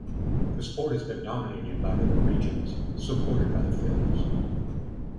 The sport has been dominated by the Norwegians, supported by the Finns.